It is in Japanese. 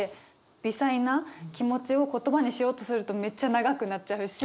微細な気持ちを言葉にしようとするとめっちゃ長くなっちゃうし。